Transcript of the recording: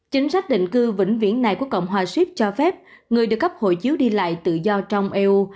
chính sách định cư vĩnh viễn này của cộng hòa ship cho phép người được cấp hộ chiếu đi lại tự do trong eu